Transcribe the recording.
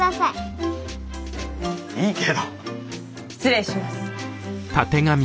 いいけど。失礼します。